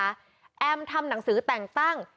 แอมทำหนังสือแต่งตั้ง